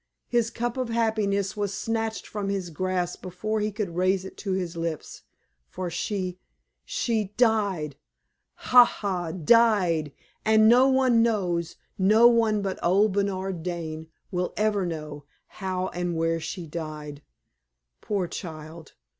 His cup of happiness was snatched from his grasp before he could raise it to his lips, for she she died ha! ha! died! and no one knows no one but old Bernard Dane will ever know how and where she died. Poor child!